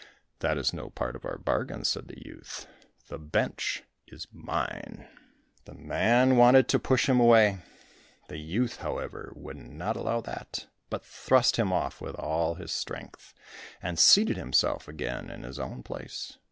"That is no part of our bargain," said the youth, "the bench is mine." The man wanted to push him away; the youth, however, would not allow that, but thrust him off with all his strength, and seated himself again in his own place.